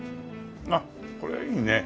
あっこれいいね。